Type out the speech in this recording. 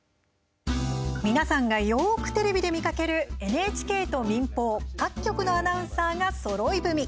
皆さんがよくテレビで見かけるＮＨＫと民放各局のアナウンサーがそろい踏み。